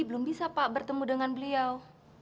belum bisa pak bertemu dengan beliau